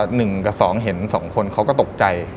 หนึ่งกับสองเห็นสองคนเขาก็ตกใจ